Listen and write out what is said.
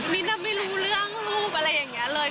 มิ้นอะไม่รู้เรื่องรูปอะไรอย่างเงี้ยเลย